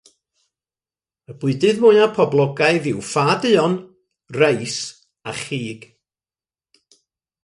Y bwydydd mwyaf poblogaidd yw ffa duon, reis, a chig.